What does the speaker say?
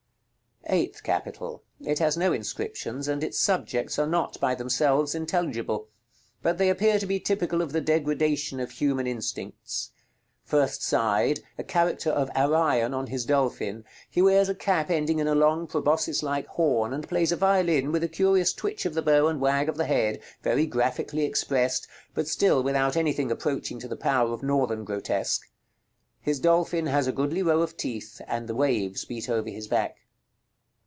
EIGHTH CAPITAL. It has no inscriptions, and its subjects are not, by themselves, intelligible; but they appear to be typical of the degradation of human instincts. First side. A caricature of Arion on his dolphin; he wears a cap ending in a long proboscis like horn, and plays a violin with a curious twitch of the bow and wag of the head, very graphically expressed, but still without anything approaching to the power of Northern grotesque. His dolphin has a goodly row of teeth, and the waves beat over his back.